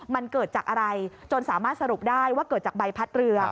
มันเกิดจากอะไรจนสามารถสรุปได้ว่าเกิดจากใบพัดเรือ